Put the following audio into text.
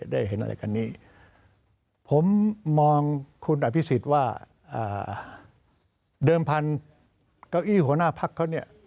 ได้เห็นอะไรกันนี้ผมมองคุณอภิษฎว่าเดิมพันธุ์เก้าอี้หัวหน้าพักเขาเนี่ย